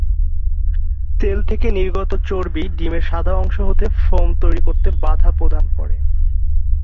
তেল থেকে নির্গত চর্বি ডিমের সাদা অংশ হতে ফোম তৈরি করতে বাঁধা প্রদান করে।